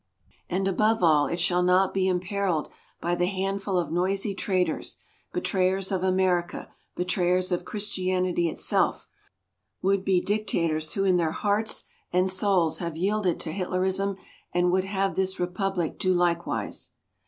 And, above all, it shall not be imperiled by the handful of noisy traitors betrayers of America, betrayers of Christianity itself would be dictators who in their hearts and souls have yielded to Hitlerism and would have this Republic do likewise.